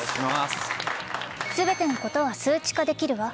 全てのことは数値化できるわ。